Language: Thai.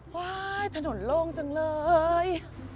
ถนนโล่งจังเลย